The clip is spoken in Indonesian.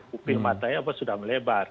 pupil matanya apakah sudah melebar